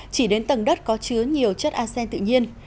chỉ đến tầng đất có chứa nhiều chất acen tự nhiên